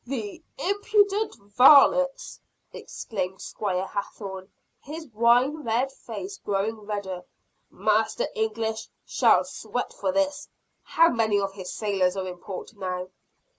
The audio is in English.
"The impudent varlets!" exclaimed Squire Hathorne, his wine red face growing redder. "Master English shall sweat for this. How many of his sailors are in port now?"